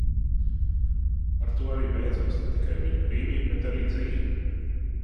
Ar to arī beidzās ne tikai viņa brīvība, bet arī dzīve.